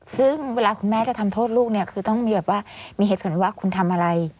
ซึ่งเวลาคุณแม่จะทำโทษลูกเนี่ยคือต้องมีแบบว่ามีเหตุผลว่าคุณทำอะไร